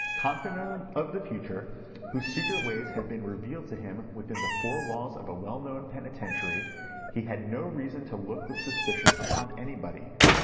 Confident of the future, whose secret ways had been revealed to him within the four walls of a well known penitentiary, he had no reason to look with suspicion upon anybody.